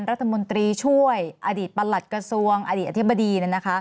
รัฐมนตรีช่วยอดีตประหลัดกระทรวงอดีตอธิบดี